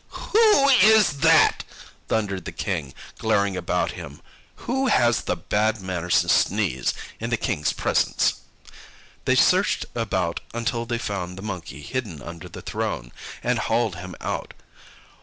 "Who is that?" thundered the King, glaring about him. "Who has the bad manners to sneeze in the King's presence?" They searched about until they found the Monkey hidden under the throne, and hauled him out.